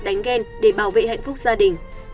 đánh ghen để bảo vệ hạnh phúc gia đình